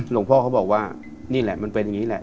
หลวงพ่อเขาบอกว่านี่แหละมันเป็นอย่างนี้แหละ